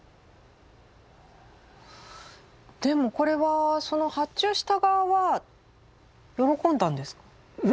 でもこれはその発注した側は喜んだんです？